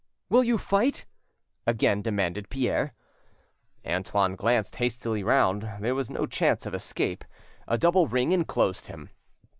"Will you fight?" again demanded Pierre. Antoine glanced hastily round; there was no chance of escape, a double ring enclosed him.